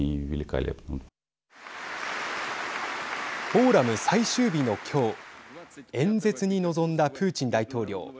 フォーラム最終日のきょう演説に臨んだプーチン大統領。